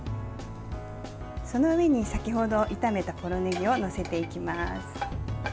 その上に先程炒めたポロねぎを載せていきます。